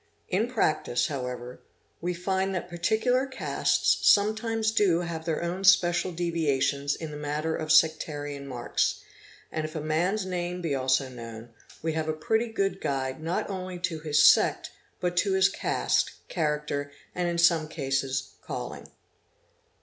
In practice however, we find that particular castes sometimes do have their own special deviations in the matter of sectarian marks, and if a man's name be also known, we have a pretty good guide not only to his sect but to his caste, character, and in some cases calling.